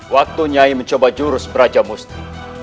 waktunya mencoba jurus belajar musti